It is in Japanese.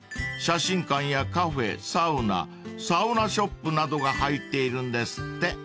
［写真館やカフェサウナサウナショップなどが入っているんですって］